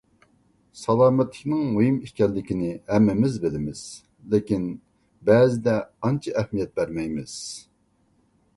سالامەتلىكنىڭ مۇھىم ئىكەنلىكىنى ھەممىمىز بىلىمىز، لېكىن بەزىدە ئانچە ئەھمىيەت بەرمەيمىز.